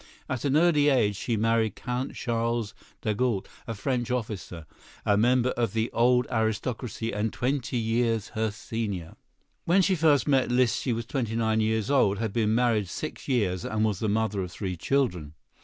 At an early age she married Count Charles d'Agoult, a French officer, a member of the old aristocracy and twenty years her senior. When she first met Liszt she was twenty nine years old, had been married six years and was the mother of three children.